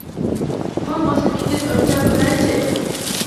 Qon bosimingizni o'lchab ko’raychi.